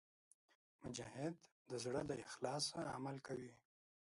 مجاهد د زړه له اخلاصه عمل کوي.